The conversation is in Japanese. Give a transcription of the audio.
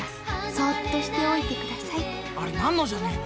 そっとしておいてください・あれナンノじゃねえの？